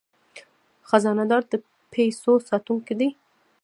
خزانه دار د پیسو ساتونکی دی